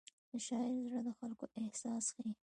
د شاعر زړه د خلکو احساس ښيي.